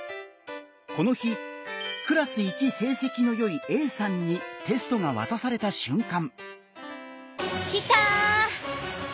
この日クラス一成績のよいＡさんにテストが渡された瞬間。